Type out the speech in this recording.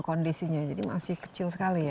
kondisinya jadi masih kecil sekali ya